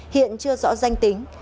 hiện chưa rõ danh tính